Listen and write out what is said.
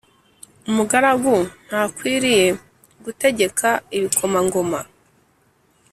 umugaragu ntakwiriye gutegeka ibikomangoma